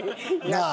なあ？